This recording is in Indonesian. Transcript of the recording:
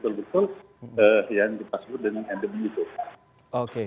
dari saat kita saat ini ikutin mereka ikutin mereka